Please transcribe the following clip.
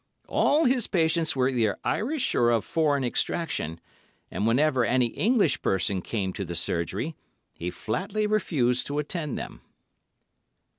All his patients were either Irish or of foreign extraction, and whenever any English person came to the surgery, he flatly refused to attend them.